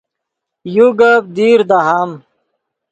یو گپ دیر دہام